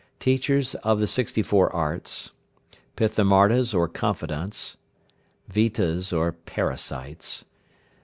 Teachers of the sixty four arts. Pithamardas or confidants. Vitas or parasites.